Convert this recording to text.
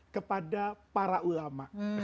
kepada para ulama